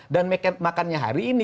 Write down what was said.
dan makannya hari ini